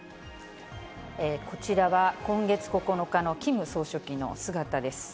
こちらは、今月９日のキム総書記の姿です。